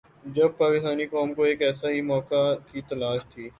جب پاکستانی قوم کو ایک ایسے ہی موقع کی تلاش تھی۔